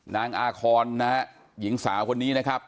นางอาคอนนะฮะหญิงสาวคนนี้นะครับ